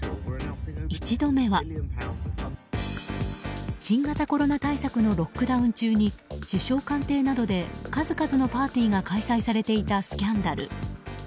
１度目は新型コロナ対策のロックダウン中に首相官邸などで数々のパーティーが開催されていたスキャンダル。